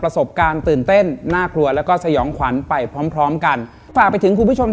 สถานีผี